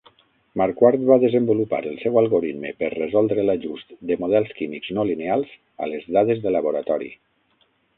Marquardt va desenvolupar el seu algoritme per resoldre l'ajust de models químics no lineals a les dades de laboratori.